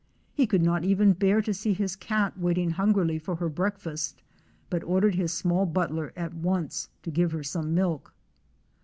He could not even bear to see his cat waiting hungrily for her breakfast, but ordered his small butler at once to give her some milk.